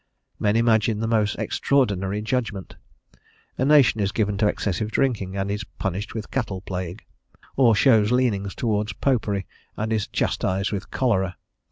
Men imagine the most extraordinary "judgment." A nation is given to excessive drinking, and is punished with cattle plague; or shows leanings towards popery, and is chastised with cholera.